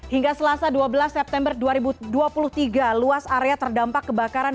hingga selasa dua belas september dua ribu dua puluh tiga luas area terdampak kebakaran